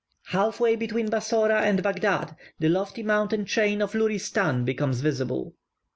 Half way between Bassora and Baghdad, the lofty mountain chain of Luristan becomes visible.